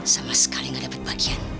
sama sekali gak dapat bagian